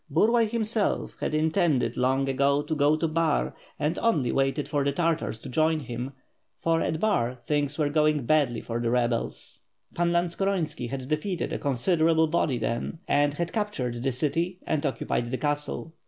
Burlay, himself, had intended long ago to go to Bar, and only waited for the Tartars to join him, for at Bax things were going badly for the rebels. Pan Lantskoronski had defeated a considerable body then, and had captured the city aad occupied the castle.